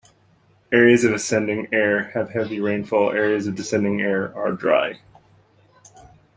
Areas of ascending air have heavy rainfall; areas of descending air are dry.